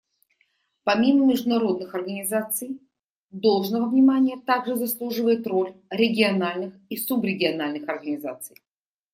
Помимо международных организаций, должного внимания также заслуживает роль региональных и субрегиональных организаций.